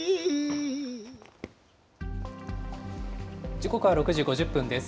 時刻は６時５０分です。